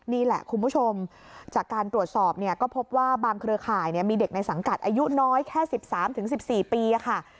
นี่แหละคุณผู้ชมจากการตรวจสอบเนี่ยก็พบว่าบางเครือข่ายมีเด็กในสังกัดอายุน้อยแค่๑๓๑๔ปีค่ะ